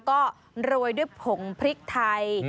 ก็โรยด้วยผงพริกไทย